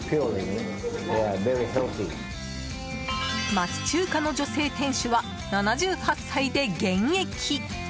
町中華の女性店主は７８歳で現役！